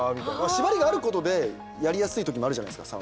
縛りがあることでやりやすいときもあるじゃないですか。